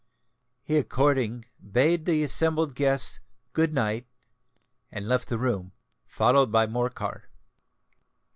He according bade the assembled guests "Good night," and left the room, followed by Morcar.